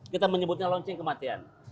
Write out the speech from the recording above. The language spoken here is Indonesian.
kita menyebutnya lonceng kematian